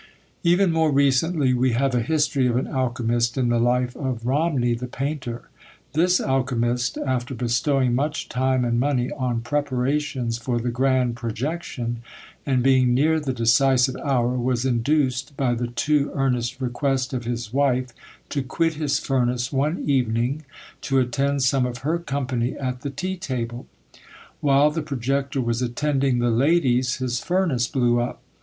Even more recently we have a history of an alchymist in the life of Romney, the painter. This alchymist, after bestowing much time and money on preparations for the grand projection, and being near the decisive hour, was induced, by the too earnest request of his wife, to quit his furnace one evening, to attend some of her company at the tea table. While the projector was attending the ladies, his furnace blew up!